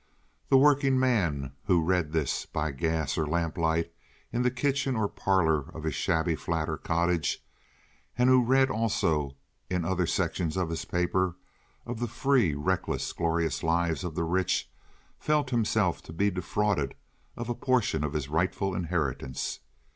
The workingman who read this by gas or lamp light in the kitchen or parlor of his shabby flat or cottage, and who read also in other sections of his paper of the free, reckless, glorious lives of the rich, felt himself to be defrauded of a portion of his rightful inheritance.